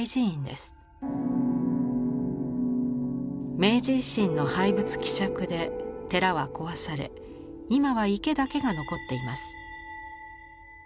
明治維新の廃仏毀釈で寺は壊され今は池だけが残っています。